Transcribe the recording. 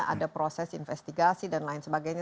ada proses investigasi dan lain sebagainya